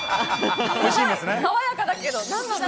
爽やかだけど。